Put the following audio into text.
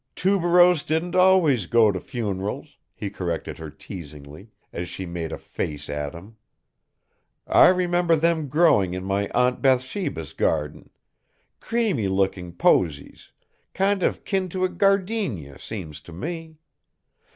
"Tuberose didn't always go to funerals," he corrected her teasingly, as she made a face at him. "I remember them growing in my Aunt Bathsheba's garden. Creamy looking posies, kind of kin to a gardenia, seems to me!